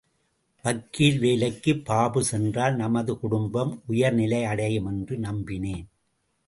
வக்கீல் வேலைக்கு பாபு சென்றால் நமது குடும்பம் உயர்நிலை அடையும் என்று நம்பினேன்.